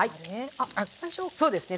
あっそうですね